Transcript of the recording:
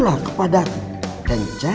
bapak itu siapa